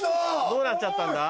どうなっちゃったんだ？